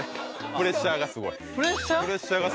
プレッシャーがすごかった。